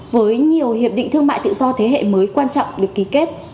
với nhiều hiệp định thương mại tự do thế hệ mới quan trọng được ký kết